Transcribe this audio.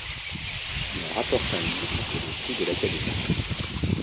Il en rapporte un livre et des prix de l'Académie.